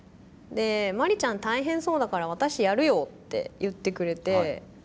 で「麻里ちゃん大変そうだから私やるよ」って言ってくれて。